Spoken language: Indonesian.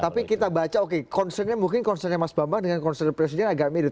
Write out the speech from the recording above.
tapi kita baca oke concernnya mungkin concernnya mas bambang dengan concern presiden agak mirip